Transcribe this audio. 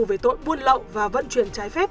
về tội buôn lậu và vận chuyển trái phép